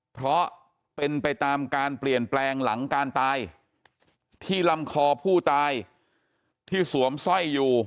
เพราะเป็นไปตามการเปลี่ยนแปลงหลังการตายที่ลำคอผู้ตายที่สวมสร้อยอยู่